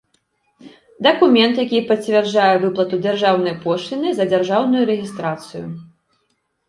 Дакумент, якi пацвярджае выплату дзяржаўнай пошлiны за дзяржаўную рэгiстрацыю.